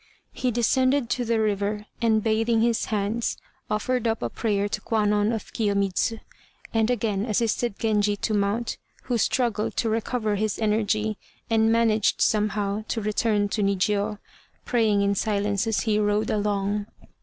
He descended to the river, and bathing his hands, offered up a prayer to Kwannon of Kiyomidz, and again assisted Genji to mount, who struggled to recover his energy, and managed somehow to return to Nijiô, praying in silence as he rode along.